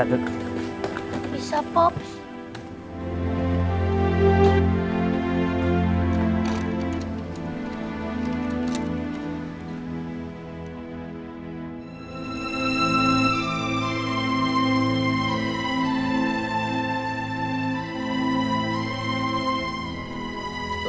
dud papa pulang dulu ya